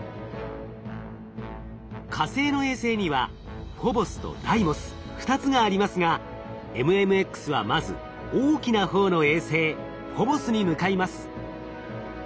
火星の衛星にはフォボスとダイモス２つがありますがＭＭＸはまず大きな方の衛星フォボスに向かいます。